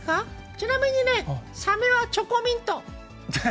ちなみにね、さめはチョコミント。